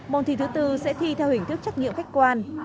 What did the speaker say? môn thi thứ bốn sẽ thi theo hình thức trách nhiệm khách quan